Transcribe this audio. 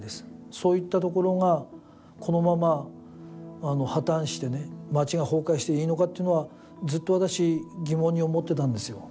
そういったところがこのまま破綻して町が崩壊していいのかというのは、ずっと私疑問に思っていたんですよ。